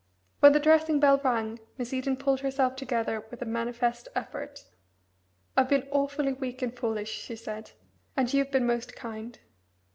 When the dressing bell rang Miss Eden pulled herself together with a manifest effort. "I've been awfully weak and foolish," she said, "and you've been most kind.